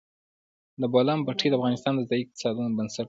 د بولان پټي د افغانستان د ځایي اقتصادونو بنسټ دی.